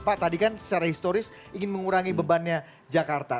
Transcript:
pak tadi kan secara historis ingin mengurangi bebannya jakarta